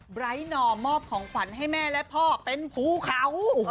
ไรทนอมอบของขวัญให้แม่และพ่อเป็นภูเขา